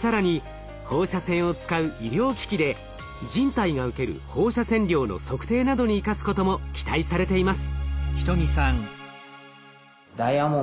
更に放射線を使う医療機器で人体が受ける放射線量の測定などに生かすことも期待されています。